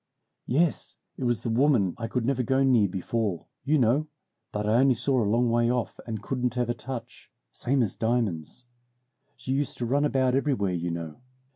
"Yes, it was the woman I could never go near before, you know that I only saw a long way off and couldn't ever touch, same as diamonds. She used to run about everywhere, you know.